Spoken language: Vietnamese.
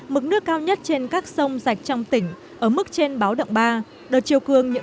mức nước cao nhất trên các sông rạch trong tỉnh ở mức trên báo động ba đợt chiều cường những